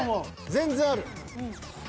全然ある。